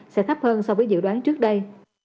sẽ thấp hơn so với dự đoán trước đây